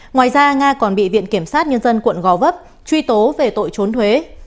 ngoài ra nga còn bị viện kiểm sát nhân dân quận gò vấp truy tố về tội trốn thuế